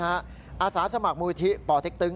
อาสาสมัครมูลที่ปเต็กตึง